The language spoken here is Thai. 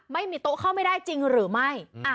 ไม่มีโต๊ะเข้าไม่ได้จริงหรือไม่